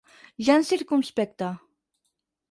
Ja en circumspecte.